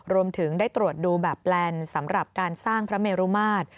รวมถึงได้ตรวจดูแบบแลนด์สำหรับการสร้างพระเมรุมาตร